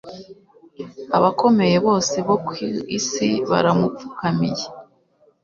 Abakomeye bose bo ku isi baramupfukamiye